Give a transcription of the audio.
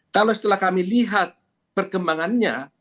kalau setelah kami lihat perkembangannya